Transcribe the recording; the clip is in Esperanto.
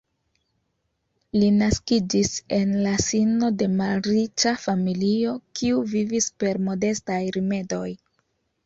Li naskiĝis en la sino de malriĉa familio kiu vivis per modestaj rimedoj.